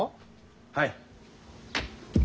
はい。